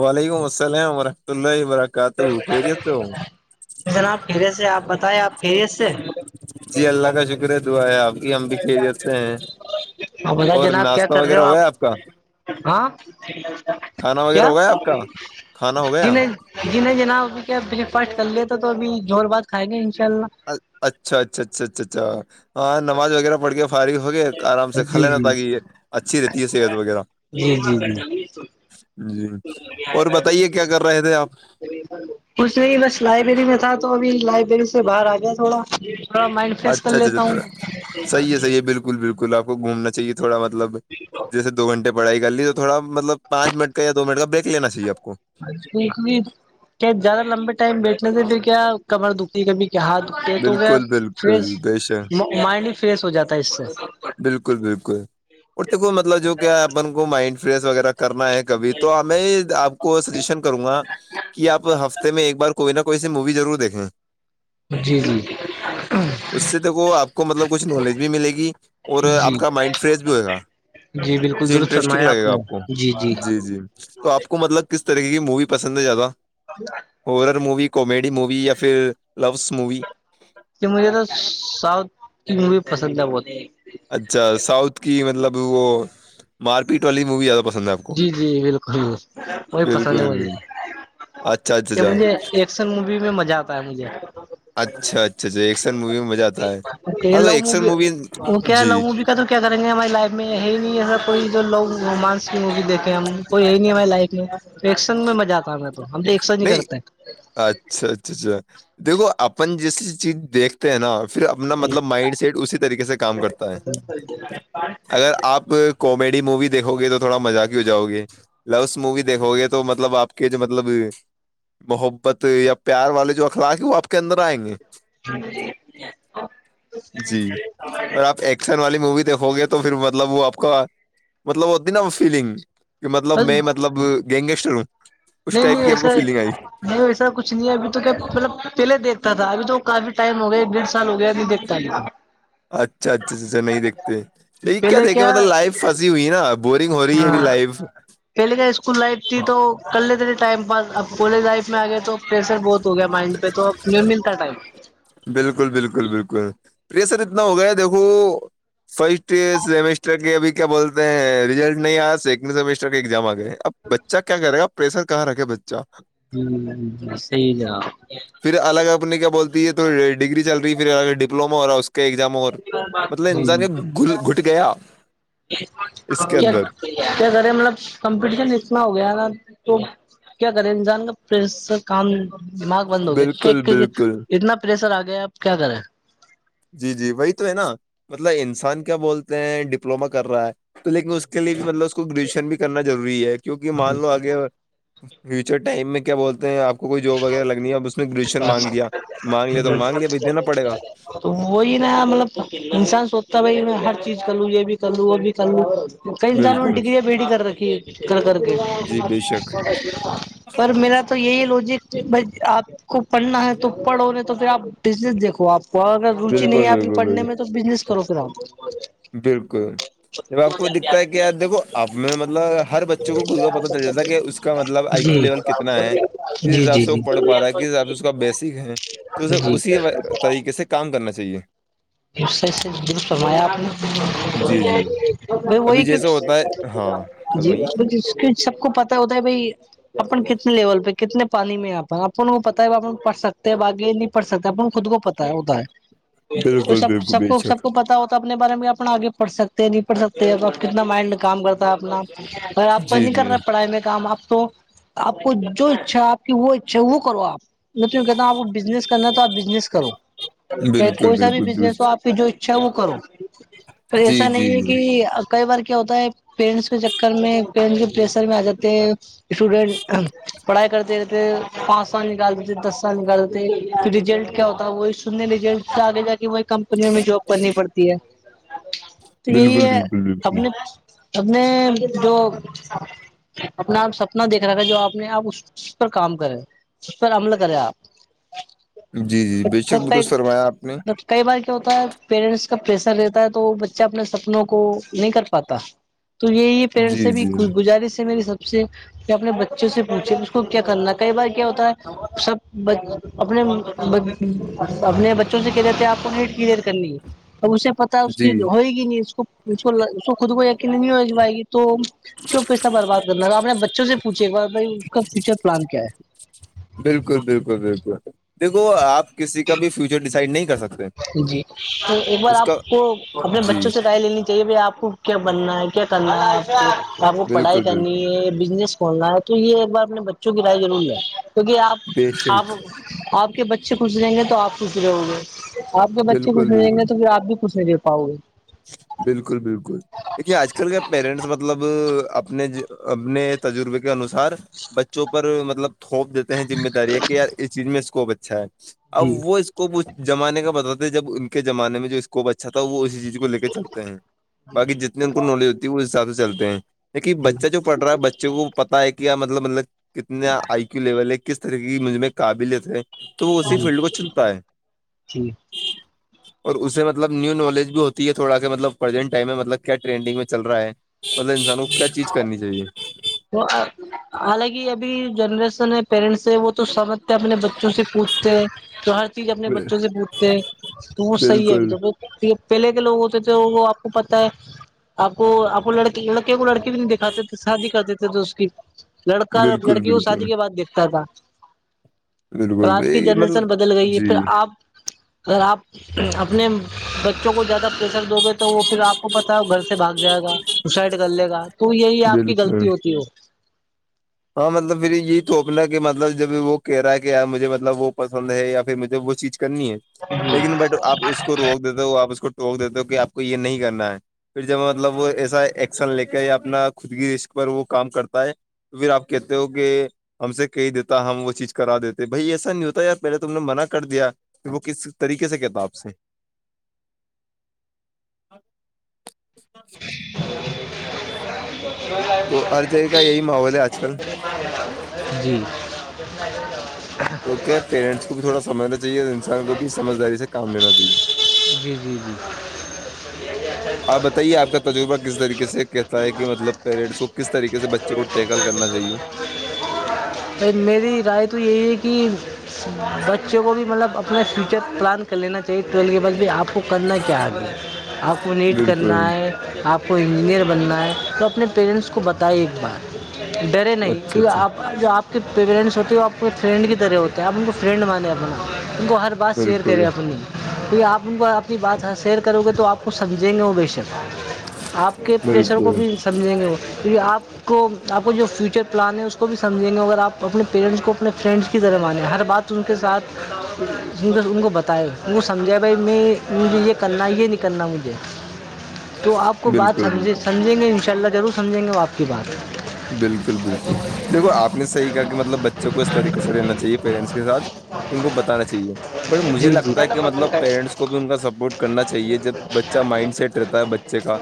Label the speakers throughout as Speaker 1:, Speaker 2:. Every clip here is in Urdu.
Speaker 1: وعلیکم السلام ورحمۃ اللہ و برکاتہ
Speaker 2: جناب پری سے آپ بتائے آپ کیری سے
Speaker 1: جی اللہ کا شکر ہے دعا ہے اپ بھی ہم بھی کھیل دیتے ہیں
Speaker 2: ہ بلا
Speaker 1: اور
Speaker 2: جناب کیا
Speaker 1: ناشتہ
Speaker 2: کر رہے
Speaker 1: وغیرہ
Speaker 2: ہو آپ
Speaker 1: گیا کا
Speaker 2: ہاں
Speaker 1: کھانا وغیرہ
Speaker 2: کیا
Speaker 1: ہو گیا آپ کا کھانا ہو
Speaker 2: ج
Speaker 1: گیا
Speaker 2: نہیں جی نہیں جناب کیا بریک فاسٹ کر لییاتا تو ابھی جھول بات کھائے گے انشاء اللہ
Speaker 1: اچھا اچھا اچھا اچھا اچھا ہاں نماز وغیرہ پڑھ کے فارغ ہوگیا آرام سے کھا
Speaker 2: جی
Speaker 1: لے نا
Speaker 2: جی
Speaker 1: تاکہ یہ اچھی رہتی ہے صحت وغیرہ
Speaker 2: جی جی جی کچھ
Speaker 1: جی اور بتائیے کیا کر رہے تھے آپ
Speaker 2: کچ نہیں بس لائبریری میں تھا تو ابھی لائبریری سے باہر آ گیا تھوڑا تھوڑا مائنڈ فریش کر
Speaker 1: اچھا اچھا
Speaker 2: لیتا
Speaker 1: اچھا صحیح ہے
Speaker 2: ہوں
Speaker 1: صحیح ہے بالکل بالکل آپ کو گھنا چاہیے تھوڑا مطلب جیسے دو گھنٹے بڑائی کر لی تو تھوا مطلب پانچ من کا یا دو منٹ کا بریک لین چاہیے آپ کو
Speaker 2: کیا زیادہ لمبے ٹائم بیٹھنے سے پھر کیا کمر دکھی کبھی کیا ہاتھ کہ تو وہ
Speaker 1: بالکل بالکل
Speaker 2: فریش
Speaker 1: بے شک
Speaker 2: مائنڈ ہی فریش ہو جاتا ہے اس سے
Speaker 1: بالکل بالکل اور دیکھو مطلب جو کیا اپن کو مائنڈ فریش وغیرہ کرنا ہے کبھی تو ہمیں آپ کو کو سجیشن کروں گا کہ آپ ہفتے میں ایک بار کوئی نہ کوئی سی مووی ضرور دیکھیں
Speaker 2: جی جی
Speaker 1: اس سے دیکھو آپ کو مطلب کچھ نالج بھی ملے گی اور
Speaker 2: جی
Speaker 1: آپ کا مائنڈ فریش بھی ہوئے گا
Speaker 2: جی بالکل
Speaker 1: کچھ
Speaker 2: درست
Speaker 1: انٹرسٹنگ
Speaker 2: فرمایا
Speaker 1: لگے گا
Speaker 2: نے
Speaker 1: آپ کو جی جی تو آپ کو مطلب کس طریقے کی مووی پسند ہے زیادہ
Speaker 2: تو
Speaker 1: ہور موی کومیڈی موی یا پھر لوس موی
Speaker 2: کہ مجھے تو سؤتھ کی مووی پسند ہے بہت
Speaker 1: اچھا ساؤتھ کی مطلب وہ مارپیٹ والی مووی ہے پسند آپ کو
Speaker 2: جی جی بالکل وہی پسند ہے
Speaker 1: بالکل
Speaker 2: م
Speaker 1: بالکل اچھا اچھاھا
Speaker 2: مج ایکشن مووی میں مزہ آتا ہے مجھے
Speaker 1: اچھا اچھا اچھا ایکشن مووی میں مزہ آتا ہے
Speaker 2: یہ
Speaker 1: ہاں تو
Speaker 2: ل
Speaker 1: ایکشن
Speaker 2: بھی
Speaker 1: مووی
Speaker 2: وہ کیا
Speaker 1: جی
Speaker 2: لوں بھی تو کیا کریں گے ہماری لائف میں ہے ہی نہیںا کوئی جو لوگ رومان می دیکھیں ہم کوئی یہ نہیں ہمے لائ میں ایکشن میں مزہ آتا ہے ن تو ہم تو ایکشن ہی
Speaker 1: نہیں
Speaker 2: کرتے
Speaker 1: اچھا اچھا اچھا دیکھو اپن جیس چیز دیکھ ہیں نا پھر اپنا مطلب مائنڈ سیٹ اسی طریقے سے کام کرتا ہے
Speaker 2: [unintelligible]
Speaker 1: اگر آپ کومیڈی مووی دیکو گے تو تھوڑا مزاہ کی ہو جاؤ گے لوس موی دیکھو گے تو مطلب آپ جو مطلب محبت یا پیار والے جو اخلاق وہ آپ کے اندر آئیں گے جی اور آپ ایکشن والی مووی دیکھو گے تو پھر مطلب وہ آپ کا مطلب وہ ہوتی ہے نا فیلنگ کہ مطلب میں
Speaker 2: بس
Speaker 1: مطلب گیینگیگسٹر ہوں اس
Speaker 2: نہیں
Speaker 1: ٹائپ
Speaker 2: نہیں
Speaker 1: کی آپ کو
Speaker 2: ایسے
Speaker 1: فیلنگ آئی
Speaker 2: نہیں ویسا کچھ نہیں ہے ابھی تو کیا مطلب پہلے دیکھتا تھا ابھی تو کافی ٹائم ہو گیا ایک ڈڑھ سال ہو گیا نہیں دیکتاب
Speaker 1: اچھا اچھا اچ اچھا نہیں دیکھتے ل یہ کیا دیکھے مطلب لائف پنسی ہوئی نا اب بورورنگ ہو رہی ہےب
Speaker 2: ہاں
Speaker 1: لائف
Speaker 2: پہلے کا اسکول لائف تھی تو کر لیتے تھے ٹائم پاس اب کالج لائف اس میں آ گیا تو پریسر بہت ہو گیا مائنڈ پہ تو ملتا ٹائم
Speaker 1: بالکل بالکل بالکل پریسر اتنا ہو گیا ہے دیکھو فرسٹ سمسٹر کے ابھی کیا بولتے ہیں ریزلٹ نہیں آیا سیکنڈ سیمسٹر کے ایگزام آ گئے اب بچہ کیا کہہ رہے گا پریشر کہاں رکھے بچہ
Speaker 2: ہ صحی ج
Speaker 1: پھر الگ اپنے کیا بولتی ہے تو ڈگری چل رہی پھر الگ ڈپلووما ہو رہا اس کا کے ایکگ دام اور
Speaker 2: جناب
Speaker 1: مطلب انسان کا گ گھٹ گیا اس کے
Speaker 2: کیا
Speaker 1: اندر
Speaker 2: کیا کرے مطلب کمپٹیشن اتنا ہو گیا نا تو کیا کرے انسان کا پس کام دماغ بند ہو
Speaker 1: بالکل
Speaker 2: گیا
Speaker 1: بالکل
Speaker 2: اتنا پے سر آ گیا آپ کیا کریں ہیں
Speaker 1: جی جی وہی تو ہے نا مطلب انسان کیا بولتے ہیں ڈپلوما کر رہا ہے تو لیکن اس کے لیے بھی مطلب اس کو گریجوشن بھی کرنا ضروری ہے کیونکہ مان لو آگے فیوچر ٹائم میں کیا بولتے ہیں آپ کوئی جاب وغیرہ لگنی ہے ا اس نے گشر مانگ لیا مانگ لیا تو مانگ لیا ب دینا پڑے گا
Speaker 2: تو وہی نا مطلب انسان سوچتا ہے بھائی میں ہر چیز کر لوں یہ بھی کر لوں وہ بھی کر لوں کئی انسانوں میں
Speaker 1: بالکل
Speaker 2: ڈگری ہے بیٹیی کر رکھی ہے کر کر کے
Speaker 1: جی بے شک
Speaker 2: پر میرا تو یہی لوجک بھائی آپ کو پڑھنا ہے تو پڑھو نے تو پھر آپ بزنس دیکھو آپ وہ اگر روچی نہیں
Speaker 1: بالکل
Speaker 2: ہے آپ کی
Speaker 1: بالکل
Speaker 2: پڑھنے میں
Speaker 1: بالکل
Speaker 2: تو بزنس کرو خ
Speaker 1: بالکل جب آپ کو دکھتا ہے کہی دیکو آپ میں مطلب ہر بچوں کو گود کا پتا چل جاتتاا کہ اس کا مطلب آ
Speaker 2: جی
Speaker 1: لیول کتنا ہے کس حساب
Speaker 2: جی جی
Speaker 1: سے وہ
Speaker 2: جی
Speaker 1: پڑھ پا رہا ہے کس حساب سے اس کا بیسک ہے تو اس
Speaker 2: جی
Speaker 1: اسی طریقے سے کام کرنا چاہیے
Speaker 2: اسے سے درست کرمایا آپ
Speaker 1: جی جی
Speaker 2: نے وہی
Speaker 1: ابھی
Speaker 2: کی
Speaker 1: جیسا ہوتا ہے ہاں
Speaker 2: ج
Speaker 1: فرمائیے
Speaker 2: جس کے سب کو پت ہوتا ہے بھائی اپن کتنے لیول پہ کتنے پانی میں آپن اپن کو پتا ہے پھ سکتے ہیں اب آگے نہیں پڑھ سکتا اپن کو خود کو پتا ہوتا ہے تو
Speaker 1: بالکل
Speaker 2: سب
Speaker 1: بالکل
Speaker 2: سب
Speaker 1: بے
Speaker 2: کو سب
Speaker 1: شک
Speaker 2: کو پتا ہوتا تو اپنے بارے میں اپنا آگے پڑھ سکتے ہیں نہیں پڑھ سکتے کتنا مائنڈ کام کرتا ہے اپنا پر آپ کا
Speaker 1: جی
Speaker 2: نہیں کر
Speaker 1: جی
Speaker 2: رہے پڑھائی میں کام آپ تو آپ کو جو اچھا ہے آپ کی وہ اچھا ہے وہ کرو آپ میں تو کہتا آپ بزنس کرنا ہے تو آپ بزنس کرو کہ
Speaker 1: بالکل
Speaker 2: کوئی اا بھی
Speaker 1: بالکل
Speaker 2: بزنس ہو
Speaker 1: درست
Speaker 2: آپ کی جو اچھا ہے وہ کرو پ
Speaker 1: جی
Speaker 2: ایسا
Speaker 1: جی
Speaker 2: نہیں ہے
Speaker 1: جی
Speaker 2: کہ کئی بار کیا ہوتا ہے پیرنٹس کے چکر میں پنٹس کے پریشر میں آ جاتے ہیں اسٹوڈینٹ پڑھائی کرتے رہتے ہیں پانچ سال نکال دیتے دس سال نکال دیتے پھر ریجلٹ کیا ہوتا ہے وہی سننے ریجلٹ سے آگے جا کے وہ کمپنیوں میں جاب کرنی پڑتی ہے تو یہی
Speaker 1: بالکل
Speaker 2: ہے
Speaker 1: بالکل بالکل
Speaker 2: اپنے اپبنے جو اپنا آپ سپنا دیکھ را ہے جو آپ نے آپ اس پر کام کرے پھر عمل کرے آپ
Speaker 1: جی جی بے شک نلوس سر میں آپ نے
Speaker 2: کئی بار کیا ہوتا ہے پیرنٹس کا پریشر رہتا ہے تو وہ بچہ اپنے سپنوں کو نہیں کر پاتا تو یہی ہے پیرنٹس سے
Speaker 1: جی
Speaker 2: بھی
Speaker 1: جی
Speaker 2: گزارش ہے میری سب سے اپنے بچوں سے پوچھے اس کو کیا کرنا کئی بار کیا ہوتا ہے سب اپنے اپنے بچوں سے رہتے آپ کو نیٹ کلیئر کرنی ہے اب اسے پتا اس کی
Speaker 1: جی
Speaker 2: ہوئے گی نہیں اس کو اس کو اس خود کو ق نہیں ہو ج پائے گی تو کی پیسہ برباد کرنا ہوا آ اپ نے بچوں سے پوچھے ایک بار بائی اس کا فیوچر پلان کیا ہے
Speaker 1: بالکل بالکل بالکل دیکھو آپ کسی کا بھی فیوچر ڈسائڈ نہیں کر سکتے
Speaker 2: جی تو ایک بار
Speaker 1: اس
Speaker 2: آپ
Speaker 1: کا
Speaker 2: کو اپنے
Speaker 1: جی
Speaker 2: بچوں سے ائ لینی چاہیے بائی آپ کو کیا بننا ہے کیا کرنا ہے آپ کو آپ کو پڑھائی
Speaker 1: بالکل بالکل
Speaker 2: کرنی ہے بزنس کھولنا ہے تو یہ ایک بار اپنے بچوں کی رائے ضروری ہے کیکہ آپ
Speaker 1: بے شک
Speaker 2: آپ آپ کے بچے خش رہیں گے تو آپ خش رہو گے آپ کے بچے کچھ
Speaker 1: بالکل
Speaker 2: نہیں دیں گے
Speaker 1: بالکل
Speaker 2: تو پھر آپ بھی کچھ نہیں دے پاؤ گے
Speaker 1: بالکل بالکل دیکھیے آج کل کے پیرنٹس مطلب اپنے اپنے تجربے کے انسار بچوں پر مطلب تھوپ دیتے ہیں مہ داری ہے کہ یار اس چیز میں اسکوپ اچھا ہے اب
Speaker 2: جی
Speaker 1: وہ اسکوپ اس زمانے کا بتاتے جب ان کے زمانے میں جو اسکوپ اچھا تھا وہ اسی چیز کو کو لے کے چلتے ہیں باقی جتنی ان کو نالج ہوتی ہے اس حساب سے چلتے ہیں دیکن بچہ جو پڑ رہا ہے بچے کو پتا ہے کہ مطلب مطلب کتنا آئی کیو لیول ہے کس طرح کی مج قابلت ہے تو وہ اسی فیلڈ کو چنتا ہے
Speaker 2: جی
Speaker 1: اور اسے مطلب نیو نالج بھی ہوتا تو یہ تھوڑا سا مطلب پرزینٹ ٹائم میں مطلب کیا رینڈنگ میں چل رہا ہے مطلب انسان کو کیا چیز کرنی چاہیے
Speaker 2: تو آ حالانکہ ابھی جنریشن ہے پیرنٹس ہے وہ تو سمجھتے اپنے بچوں سے پوچھتے تو ہر چیز اپنے بچوں سے پوچھتے ہیں تو وہ صحیح ہے ابھی
Speaker 1: بالکل
Speaker 2: تو پہلے کے لوگ ہوتے تھے وہ آپ کو پتا ہے آپ کو آپ کو لڑکے لڑکے کو لڑکے بھی نہیں دکھاتے تھے شادی کرتے تھے اس کی لڑکا
Speaker 1: بالکل
Speaker 2: لڑکی کو شادی
Speaker 1: بالکل
Speaker 2: کے بعد دیکھتا تھا پر
Speaker 1: بالکل
Speaker 2: آج کی
Speaker 1: یہ مطلب
Speaker 2: جنریشن بدل گئی ہے
Speaker 1: جی
Speaker 2: پھر آپ اگر آپ اپنے بچوں کو زیادہ پریشر دو گے تو وہ پھر آپ وہ پتا گھر سے بھاگ جائے گا سسائڈ کر لے گا تو یہی آپ کی
Speaker 1: بالکل
Speaker 2: غلطی ہوتی ہو
Speaker 1: ہاں مطلب پھر یہی تووپنا کہ مطلب جب وہ کہہ رہ ہے کہ مجھے مطلب وہ پسند ہے یا پھر مجھے وہ چیز کرنی ہے لیکن بٹ آپ اس کو روک دیتے ہو آپ اس کو ٹوک دیتے ہو کہ آ کو یہ نہیں کرنا ہے پھر جب مطلب وہ ایسا ایکشن لے کے یا اپنا خود کی رشق پر وہ کام کرتا ہے پھر آپ کہتے ہو کہ ہم سے کہہ دیتا ہم وہ چیز کرا دیتے بھائی ایسا نہیں ہوتا ار پہلے تم نے منع کر دیا وہ کس طریقے سے کہتا آپ سے
Speaker 2: [unintelligible]
Speaker 1: تو ہر جگ کا یہی ماحول ہے آج کل
Speaker 2: [unintelligible] [unintelligible] [unintelligible]
Speaker 1: تو کیا پیرنٹس کو بھی تھوڑا سمجھنا چاہیے اور انسان کو بھی سمجھداری سے کام لینا چاہیے
Speaker 2: جی جی جی
Speaker 1: آپ بتائیے آپ کا تجربہ کس طریقے سے کہتا ہے کہ مطلب پیرنٹس کو کس طریقے سے بچے کو ٹیکل کرنا چاہیے
Speaker 2: میری رائے تو یہی ہے کہ بچوں کو بھی مطلب اپنا فیچر پلان کر لینا چاہے ٹرل کے بعد بھ آپ کو کرنا کیا آگے آپ کو نیٹ کرنا
Speaker 1: بالکل
Speaker 2: ہے آپ کو انجینئر بننا ہے تو اپنے پیرنٹس کو بتائی ایک بات ڈرے نہیں
Speaker 1: اچھا
Speaker 2: کیک
Speaker 1: اچھا
Speaker 2: آپ اور جو آپ کے پییرنٹس ہوتے ہیں وہ آپ کے فرینڈ کی طرح ہوتے ہیں آپ ان کو فرینڈ مانیں اپنا ان کو ہر بات شیئر
Speaker 1: بالکل
Speaker 2: کرے اپنی کہ آپ کو اپنی بات سیئر کرو گے تو آپ کو سمجھیں گے وہ بے شک آپ کے پریشر
Speaker 1: بالکل
Speaker 2: کو بھی سمجھیں گے وہ کیونکہ آپ کو آپ کو جو فیوچر پلان ہے اس کو بھی سمجھیں گے اگر آپ اپنے پیرینٹس کو اپنے فرینڈس کی ذرہ مانیں ہر بات ان کے ساتھ ان کو بتائے ان کو سمجھیا بھائی میں مجھے یہ کرنا یہ نہیں کرنا مجھے تو آپ کو بات
Speaker 1: بالکل
Speaker 2: سمجھے
Speaker 1: بالکل
Speaker 2: سمجھیں گے انشاء اللہ ضرور سمجھیں گے وہ آپ کی بات
Speaker 1: بالکل بالکل دیکھو آپ نے صحی کہا کہ مطلب بچوں کو اس طریقے سے رہنا چاہیے پیرنٹس کے ساتھ ان کو بتانا چاہیے بٹ مجھے
Speaker 2: جی جی
Speaker 1: لگتا ہے کہ مطلب پیرنٹس کو بھی ان کا سپورٹ کرنا چاہیے جب بچہ مائنڈ سیٹ رہتا ہے بچ اچے کا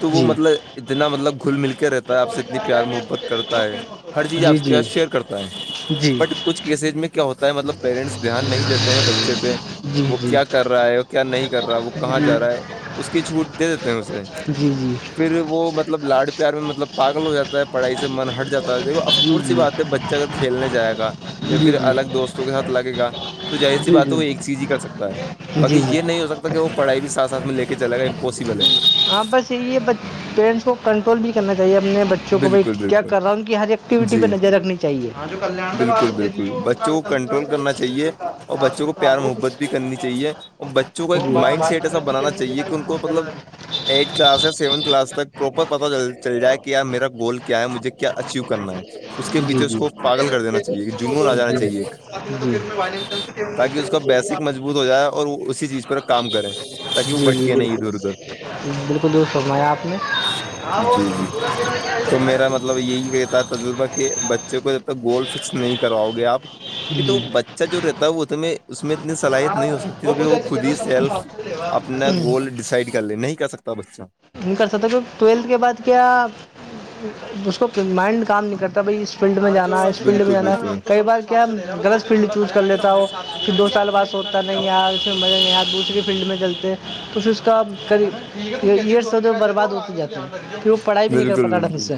Speaker 1: تو وہ
Speaker 2: جی
Speaker 1: مطلب اتنا مطلب گھل مل کے رہتا ہے آپ سے اتنی پیار محبت کرتا ہے ہر چیز
Speaker 2: جی
Speaker 1: آپ کے
Speaker 2: جی
Speaker 1: سات شیئر کرتا ہے
Speaker 2: جی
Speaker 1: بٹ کچھ کیسج میں کیا ہوتا ہے مطلب پیرنٹس دھیان نہیں دیتے ہیں بچے پہ
Speaker 2: جی
Speaker 1: وہ
Speaker 2: جی
Speaker 1: کیا کر رہا ہے کیا نہیں کر رہا ہے وہ کہاں جا رہا ہے اس کی چھوٹ دے دیتے ہیں اسے
Speaker 2: جی جی
Speaker 1: پھر وہ مطلب لاڈ پیار میں مطلب پاگل ہو جاتا ہے پڑھائی سے من ہٹ جاتا ہے دیکو اف
Speaker 2: جی جی
Speaker 1: کورس یہ بات ہے بچہ اگر کھیلنے جائے گا یا
Speaker 2: جی جی جی
Speaker 1: پھر الگ دوستوں کے ساتھ لگے گا تو جظیر سی
Speaker 2: جی
Speaker 1: بات ہے وہ ایک
Speaker 2: جی
Speaker 1: چیز ہی کر سکتا ہے باقی
Speaker 2: جی جی
Speaker 1: یہ نہیں ہو سکتا کہ وہ پڑھائی بھی ساتھ سھ میں لے کے چل گا امپوسبل ہے
Speaker 2: ہاں بس یہی ہے ب پیرنٹس کو کنٹرول بھی کرنا چاہیے اپنے بچ چوںک بھائی
Speaker 1: بالکل
Speaker 2: کیا
Speaker 1: بالکل
Speaker 2: کر رہا ہ ان کی ہر ایکٹیوٹی پہ
Speaker 1: جی
Speaker 2: نظر رکھنی چاہیے
Speaker 1: بالکل بالکل بچوں کو کنٹرول کرنا چاہیے اور بچوں کو پیار محبت بھی کرنی چاہیے اور بچوں کو ایک مائنڈ سیٹ ایسا بنانا چاہیے چاہے کہ ان کو مطلب ایٹھ کلاس یا سیونھ کلاس تک پروپر پتا چل جائے کہ ی میرا گول کیا ہے مجھے کیا اچیو کرنا ہے اس کے
Speaker 2: جی
Speaker 1: پیچھے اس
Speaker 2: جی
Speaker 1: کو پاگل کر دینا چاہیے کہ جنون آ جانا چاہیے ایک
Speaker 2: [unintelligible] جی
Speaker 1: تاکہ اس کا بیسک مضبوط ہو جائے اور وہ اسی چیز پر کام کریں تاکہ وہ
Speaker 2: جی
Speaker 1: بھٹکے نہیں
Speaker 2: بالکل
Speaker 1: ادھر ادھر
Speaker 2: بالکل دوست فرمایا آپ نے
Speaker 1: جی جی تو میرا مطلب یہی کہتا ہے تجربہ کہ بچے کو جب تک گول فکس نہیں کرواؤ گے آپ کیونکہ تو
Speaker 2: جی
Speaker 1: وہ بچہ جو رہتا ہے وہ ا اس میں اتنی صلاحیت نہیں ہو سکتی کیکہ وہ خود ہی سیلف اپنا گول ڈیسائڈ کر لے نہیں کر سکتا بچہ
Speaker 2: نہیں کر سکتا کہ ٹویلتھ کے بعد کیا اس کو مائنڈ کام نہیں کرتا کبھی اس فیلڈ میں جانا ہے اس فیلڈ میں
Speaker 1: بالکل
Speaker 2: جانا ہے
Speaker 1: بالکل
Speaker 2: کئی بار کیا غلط فیلڈ چوز کر لیتا ہو پھر دو سال بعد سوچتا نہیں ار اس میں مزہ نہیں ار دوسری فیلڈ میں چلتا تو پھر اس کاب ای سودے برباد ہوتی جاتا ہے
Speaker 1: بالکل بالکل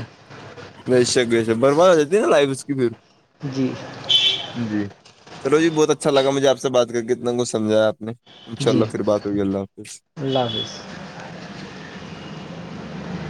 Speaker 1: ب شک شک برباد ہو جاتی نا لائف اس کی بھر
Speaker 2: جی
Speaker 1: جی چلو جی بہت اچھا لگا مجھے آپ سے بات کر کے اتنا کچھ سمجھایا آپ نے ان شاء
Speaker 2: جی
Speaker 1: اللہ پھر بات ہوئی اللہ حافظ
Speaker 2: اللہ حافظ